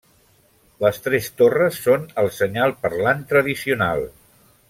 Les tres torres són el senyal parlant tradicional.